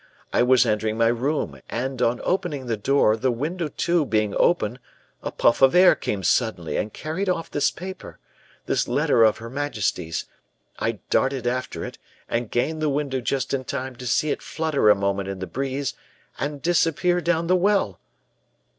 I was entering my room, and on opening the door, the window, too, being open, a puff of air came suddenly and carried off this paper this letter of her majesty's; I darted after it, and gained the window just in time to see it flutter a moment in the breeze and disappear down the well.